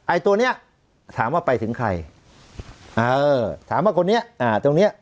ไอตัวเนี้ยถามว่าไปถึงใครเออถามว่าคนนี้อ่าตรงเนี้ย